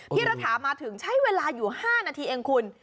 ระถามาถึงใช้เวลาอยู่๕นาทีเองคุณ